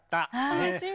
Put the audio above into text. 楽しみ。